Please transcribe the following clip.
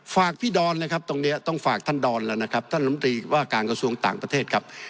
ฝากพี่ดอนเลยครับตรงนี้ต้องฝากท่านดอนแล้วนะครับท่านลำตรีว่าการกระทรวงต่างประเทศครับ